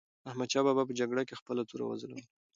احمدشاه بابا په جګړه کې خپله توره وځلوله.